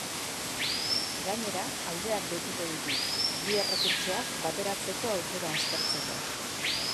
Gainera, aldeak deituko ditu, bi errekurtsoak bateratzeko aukera aztertzeko.